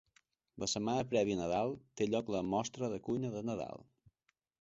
La setmana prèvia a Nadal, té lloc la Mostra de Cuina de Nadal.